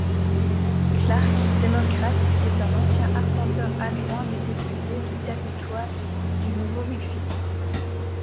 Clarke, Démocrate, est un ancien arpenteur adjoint du député du Territoite du Nouveau-Mexique.